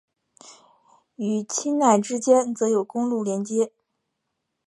与钦奈之间则有公路连接。